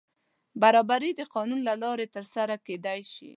برابري د قانون له لارې تر سره کېدای شي.